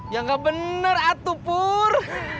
yang bener atupur